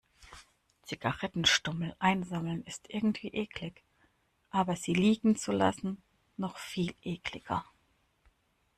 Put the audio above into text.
Zigarettenstummel einsammeln ist irgendwie eklig, aber sie liegen zu lassen, noch viel ekliger.